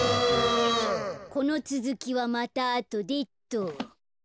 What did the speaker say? このつづきはまたあとでっと。